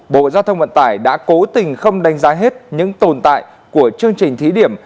bộ giao thông vận tải đã cố tình không đánh giá hết những tồn tại của chương trình thí điểm